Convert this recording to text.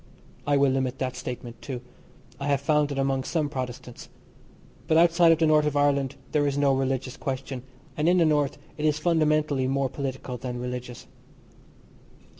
I will limit that statement, too. I have found it among some Protestants. But outside of the North of Ireland there is no religious question, and in the North it is fundamentally more political than religious.